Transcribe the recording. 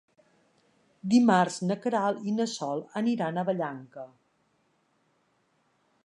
Dimarts na Queralt i na Sol aniran a Vallanca.